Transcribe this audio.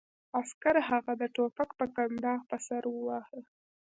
عسکر هغه د ټوپک په کنداغ په سر وواهه